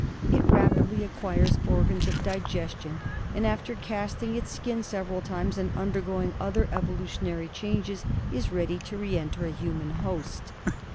It rapidly acquires organs of digestion, and after casting its skin several times and undergoing other evolutionary changes, is ready to re enter a human host.